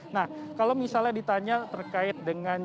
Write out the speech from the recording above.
nah kalau misalnya ditanya terkait dengan